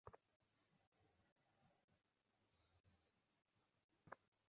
কেউ কি শুনতে পাচ্ছেন?